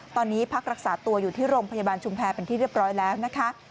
ตอนนี้พักรักษาตัวอยู่ที่โรงพยาบาลชุมแพรเป็นที่เรียบร้อยแล้วนะคะ